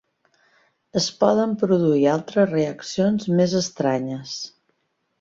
Es poden produir altres reaccions més estranyes.